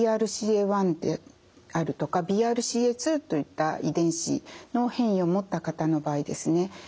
ＢＲＣＡ１であるとかＢＲＣＡ２といった遺伝子の変異を持った方の場合ですね